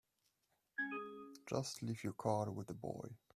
Just leave your card with the boy.